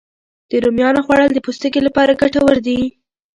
د رومیانو خوړل د پوستکي لپاره ګټور دي